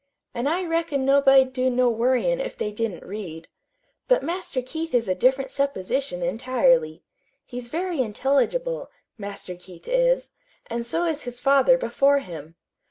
"An' I reckon nobody'd do no worryin' if they didn't read. But Master Keith is a different supposition entirely. He's very intelligible, Master Keith is, and so is his father before him.